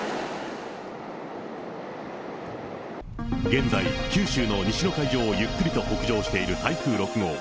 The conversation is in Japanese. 現在、九州の西の海上をゆっくりと北上している台風６号。